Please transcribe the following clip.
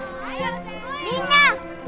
みんな！